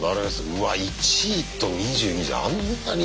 うわっ１位と２２位じゃあんなに違うの？